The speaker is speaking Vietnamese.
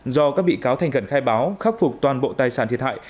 do các bị cáo thành khẩn khai báo khắc phục toàn bộ tài sản thiệt hại